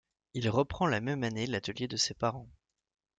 Il reprend la même année l'atelier de ses parents.